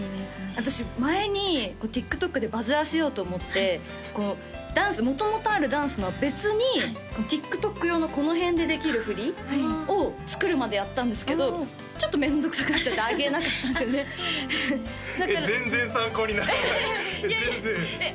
私前にＴｉｋＴｏｋでバズらせようと思ってダンス元々あるダンスとは別にＴｉｋＴｏｋ用のこの辺でできる振りを作るまでやったんですけどちょっと面倒くさくなっちゃって上げなかったんですよねそうなんですねえっ